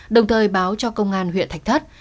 đồng thời báo cho công an huyện thạch thất